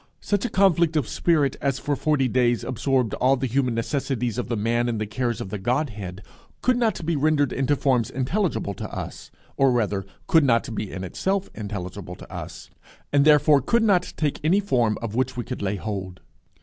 Such a conflict of spirit as for forty days absorbed all the human necessities of The Man in the cares of the Godhead could not be rendered into forms intelligible to us, or rather, could not be in itself intelligible to us, and therefore could not take any form of which we could lay hold.